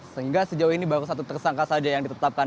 karena sejauh ini baru satu tersangka saja yang ditetapkan